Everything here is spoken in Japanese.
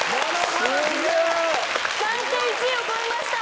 暫定１位を超えました。